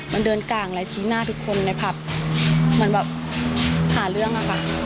มันเดินกลางแล้วชี้หน้าทุกคนในผับเหมือนแบบหาเรื่องอะค่ะ